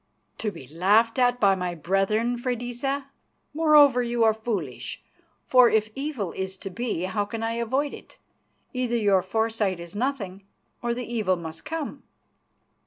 "To be laughed at by my brethren, Freydisa? Moreover, you are foolish, for if evil is to be, how can I avoid it? Either your foresight is nothing or the evil must come."